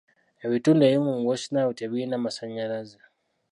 Ebitundu ebimu mu West Nile tebirina masannyalaze.